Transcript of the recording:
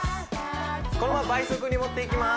このまま倍速に持っていきます